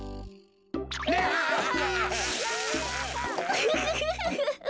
ウフフフフ！